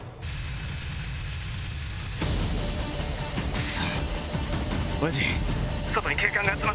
クソ！